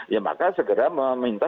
ya maka segera meminta